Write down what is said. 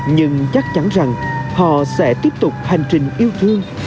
nhưng chắc chắn rằng họ sẽ tiếp tục hành trình yêu thương